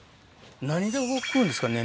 何で動くんですか燃料。